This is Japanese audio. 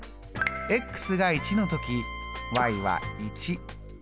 が１の時は１。